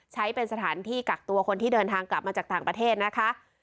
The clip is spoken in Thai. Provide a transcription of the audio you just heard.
ใช้เป็นสถานที่กักตัวคนที่เดินทางกลับมาจากต่างประเทศนะคะ